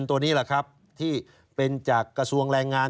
ที่เป็นจากกระทรวงแรงงาน